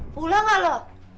pulang lah lo